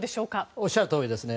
おっしゃるとおりです。